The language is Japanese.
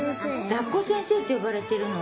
らっこ先生ってよばれてるの。